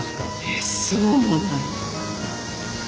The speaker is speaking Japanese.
めっそうもない。